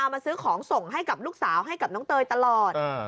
มาซื้อของส่งให้กับลูกสาวให้กับน้องเตยตลอด